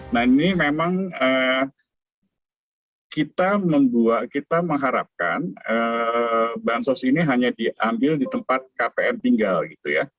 nah ini memang kita mengharapkan bansos ini hanya diambil di tempat kpm tinggal gitu ya